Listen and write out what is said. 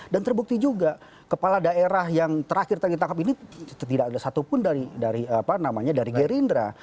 dan terbukti juga kepala daerah yang terakhir ditangkap ini tidak ada satupun dari apa namanya dari gerindra